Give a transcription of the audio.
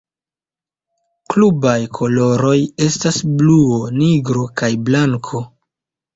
Klubaj koloroj estas bluo, nigro kaj blanko.